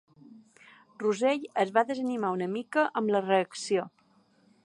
Russell es va desanimar una mica amb la reacció.